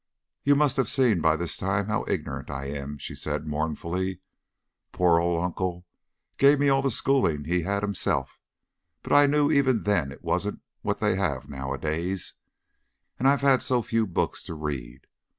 "You must have seen by this time how ignorant I am," she said mournfully. "Poor old uncle gave me all the schooling he had himself, but I knew even then it wasn't what they have nowadays. And I've had so few books to read.